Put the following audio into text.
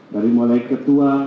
dari mulai ketua